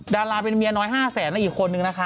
ดาราเป็นเมียน้อย๕แสนและอีกคนนึงนะคะ